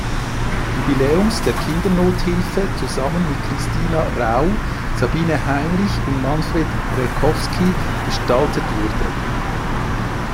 Jubiläums der Kindernothilfe zusammen mit Christina Rau, Sabine Heinrich und Manfred Rekowski gestaltet wurde.